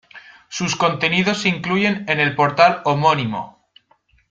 Sus contenidos se incluyen en el portal homónimo.